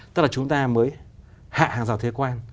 tức là chúng ta mới hạ hàng rào thế quan